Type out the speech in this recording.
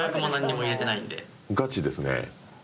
ガチです。